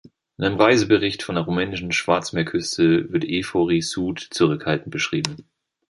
In einem Reisebericht von der rumänischen Schwarzmeerküste wird Eforie Sud zurückhaltend beschrieben.